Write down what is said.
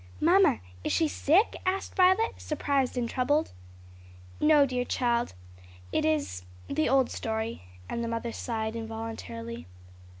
"Mamma, is she sick?" asked Violet, surprised and troubled. "No, dear child. It is the old story:" and the mother sighed involuntarily.